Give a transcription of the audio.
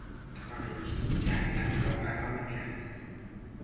تاریکی جنگل را فرا میگیرد.